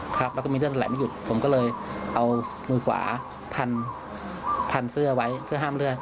ครับแล้วก็มีเลือดไหลไม่หยุดผมก็เลยเอามือขวาพันพันเสื้อไว้เพื่อห้ามเลือด